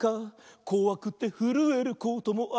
「こわくてふるえることもある」